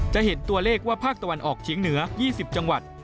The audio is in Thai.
จะเห็นตัวเลขว่าภาคตะวันออกเฉียงเหนือ๒๐จังหวัด